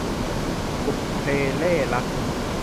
บุพเพเล่ห์รัก